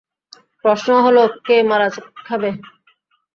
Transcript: প্রশ্ন হলো, কে মারা খাবে?